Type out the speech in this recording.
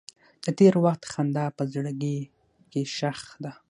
د تېر وخت خندا په زړګي کې ښخ ده.